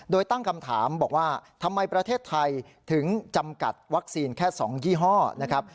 โดยตั้งคำถามบอกว่าทำไมประเทศไทยถึงจำกัดวัคซีนแค่๒ยี่ห้อนะครับ